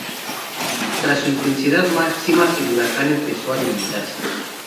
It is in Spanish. Tras su intensidad máxima, el huracán empezó a debilitarse.